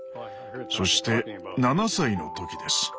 そして７歳の時です。